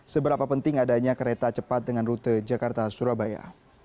seberapa penting adanya kereta cepat dengan rute jakarta surabaya